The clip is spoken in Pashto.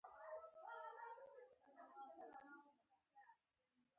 سیف الرحمن هم له حاجي صاحب سره ملګری وو.